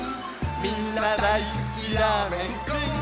「みんなだいすきラーメンくん」